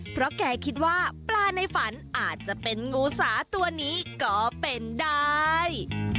เพราะแกคิดว่าปลาในฝันอาจจะเป็นงูสาตัวนี้ก็เป็นได้